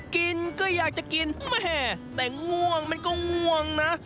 กินก็อยากจะกินแม่แต่ง่วงมันก็ง่วงนะ